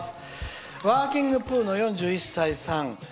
ワーキングプアの、４１歳さん。